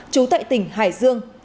trú tại tỉnh hải dương